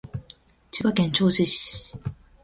千葉県銚子市